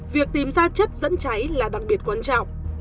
việc tìm ra chất dẫn cháy là đặc biệt quan trọng